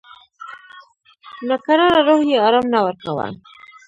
ناکراره روح یې آرام نه ورکاوه.